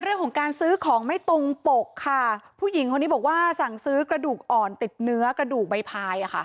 เรื่องของการซื้อของไม่ตรงปกค่ะผู้หญิงคนนี้บอกว่าสั่งซื้อกระดูกอ่อนติดเนื้อกระดูกใบพายอ่ะค่ะ